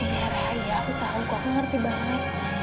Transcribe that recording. iya raya aku tahu kok aku ngerti banget